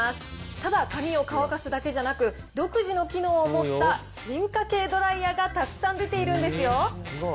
ただ髪を乾かすだけじゃなく、独自の機能を持った進化系ドライヤーがたくさん出ているんですよ